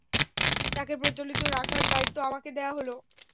তাকে প্রজ্জ্বলিত রাখার দায়িত্ব আমাকে দেয়া হল।